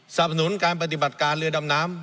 สนับสนุนการปฏิบัติการเรือดำน้ำ